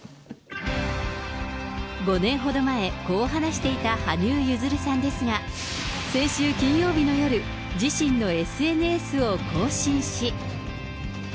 ５年ほど前、こう話していた羽生結弦さんですが、先週金曜日の夜、自身のＳＮＳを更新し。